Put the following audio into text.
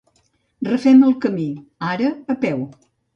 Refem el camí, ara a peu.